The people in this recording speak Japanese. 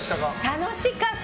楽しかった。